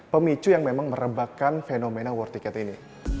pemicu yang memang merebakkan fenomena war ticket ini